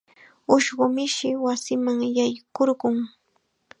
Ushqu mishi wasima yaykurqun.